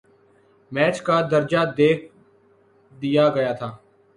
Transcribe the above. match کا درجہ دے دیا گیا تھا